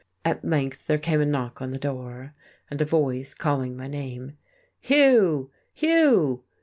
At length there came a knock on the door, and a voice calling my name. "Hugh! Hugh!"